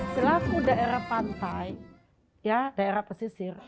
selaku daerah pantai daerah pesisir